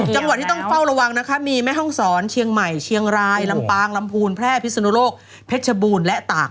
จังหวัดที่ต้องเฝ้าระวังนะคะมีแม่ห้องศรเชียงใหม่เชียงรายลำปางลำพูนแพร่พิศนุโลกเพชรบูรณ์และตาก